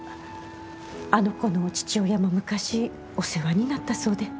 あの子の父親も昔お世話になったそうで。